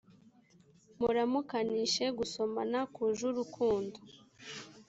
muramukanishe gusomana kuje urukundo